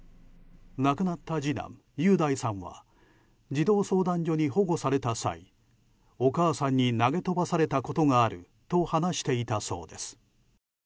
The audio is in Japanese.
亡くなった次男・雄大さんは児童相談所に保護された際お母さんに投げ飛ばされたことがあると話していたそうです。